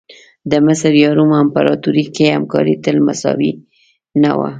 د مصر یا روم امپراتوري کې همکاري تل مساوي نه وه.